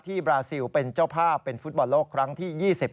บราซิลเป็นเจ้าภาพเป็นฟุตบอลโลกครั้งที่๒๐